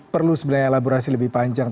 perlu sebenarnya elaborasi lebih panjang